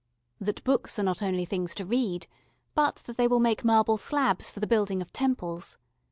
That books are not only things to read, but that they will make marble slabs for the building of temples.